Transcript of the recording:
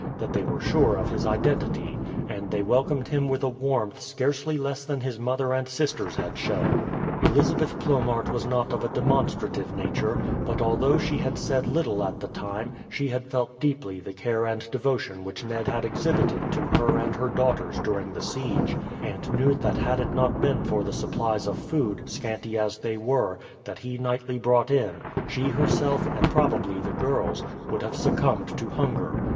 that they were sure of his identity, and they welcomed him with a warmth scarcely less than his mother and sisters had shown. Elizabeth Plomaert was not of a demonstrative nature; but although she had said little at the time, she had felt deeply the care and devotion which Ned had exhibited to her and her daughters during the siege, and knew that had it not been for the supplies of food, scanty as they were, that he nightly brought in, she herself, and probably the girls, would have succumbed to hunger.